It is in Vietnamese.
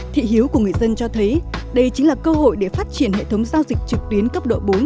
thị hiếu của người dân cho thấy đây chính là cơ hội để phát triển hệ thống giao dịch trực tuyến cấp độ bốn